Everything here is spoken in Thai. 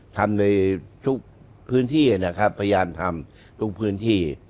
ทำในทุกพื้นที่นะครับพยายามทำทุกพื้นที่